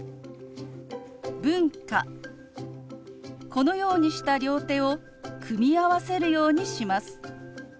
このようにした両手を組み合わせるようにします。